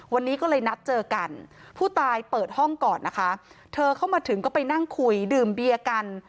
วันนี้ก็เลยนัดเจอกันผู้ตายเปิดห้องก่อนนะคะเธอเข้ามาถึงก็ไปนั่งคุยดื่มเบียร์กัน